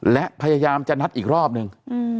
และพยายามจะนัดอีกรอบนึง